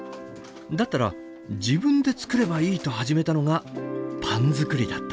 だったら自分で作ればいいと始めたのがパン作りだった。